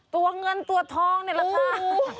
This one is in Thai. ตัวเงินตัวทองนี่แหละค่ะ